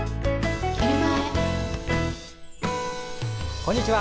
こんにちは。